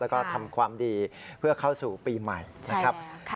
แล้วก็ทำความดีเพื่อเข้าสู่ปีใหม่นะครับ